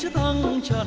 thế thô quang đã thô quang